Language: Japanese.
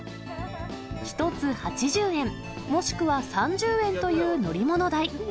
１つ８０円、もしくは３０円という乗り物代。